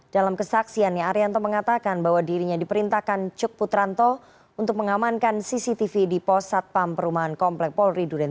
dalam kesaksiannya arianto mengatakan bahwa dirinya diperintahkan cuk putranto untuk mengamankan cctv di pos satpam perumahan komplek polri duren